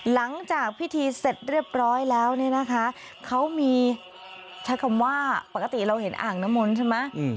หลังจากพิธีเสร็จเรียบร้อยแล้วเนี่ยนะคะเขามีใช้คำว่าปกติเราเห็นอ่างน้ำมนต์ใช่ไหม